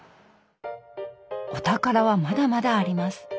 お宝はまだまだあります。